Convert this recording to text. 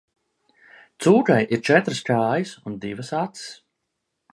Cūkai ir četras kājas un divas acis.